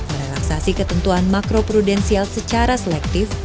merelaksasi ketentuan makro prudensial secara selektif